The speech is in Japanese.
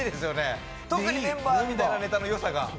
特にメンバーみたいなネタのよさが。